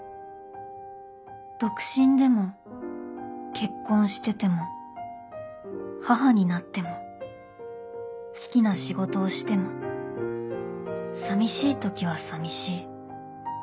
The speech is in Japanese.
「独身でも結婚してても母になっても好きな仕事をしても寂しい時は寂しい」